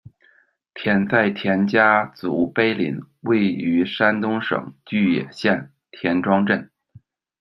田在田家族碑林，位于山东省巨野县田庄镇。